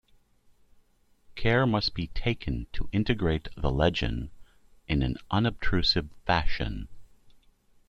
Care must be taken to integrate the legend in an unobtrusive fashion.